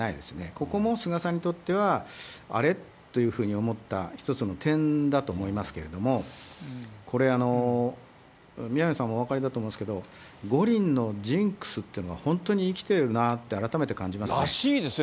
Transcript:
ここも菅さんにとっては、あれ？というふうに思った一つの点だと思いますけれども、これ、宮根さんもお分かりだと思いますけど、五輪のジンクスってのは本当に生きてるなと改めて感じますね。